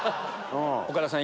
岡田さん